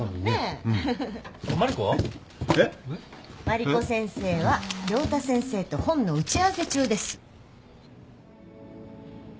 万理子先生は涼太先生と本の打ち合わせ中です。